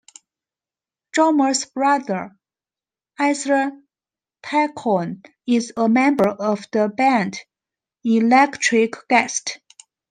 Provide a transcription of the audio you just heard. Jorma's brother, Asa Taccone, is a member of the band Electric Guest.